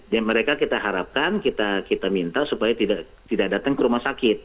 ya mereka kita harapkan kita minta supaya tidak datang ke rumah sakit